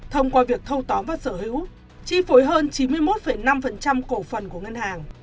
thông qua việc thâu tóm và sở hữu chi phối hơn chín mươi một năm cổ phần của ngân hàng